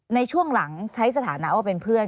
ในช่วงหลังใช้สถานะว่าเป็นเพื่อน